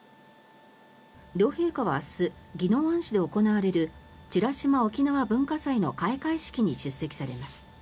両陛下は明日宜野湾市で行われる美ら島おきなわ文化祭の開会式に出席されます。